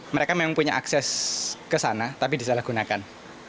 mereka memang punya akses ke sana tapi disalahgunakan